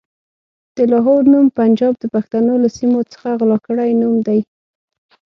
د لاهور نوم پنجاب د پښتنو له سيمو څخه غلا کړی نوم دی.